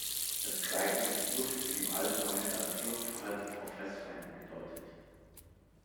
Das Gleiten durch die Luft wird im Allgemeinen als Fluchtverhalten vor Fressfeinden gedeutet.